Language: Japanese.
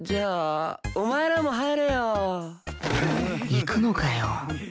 行くのかよ